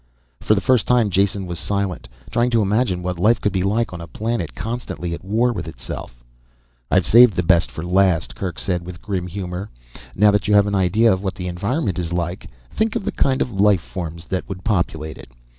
For the first time Jason was silent. Trying to imagine what life could be like on a planet constantly at war with itself. "I've saved the best for last," Kerk said with grim humor. "Now that you have an idea of what the environment is like think of the kind of life forms that would populate it.